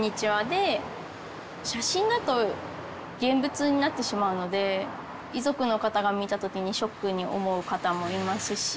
写真だと現物になってしまうので遺族の方が見た時にショックに思う方もいますし。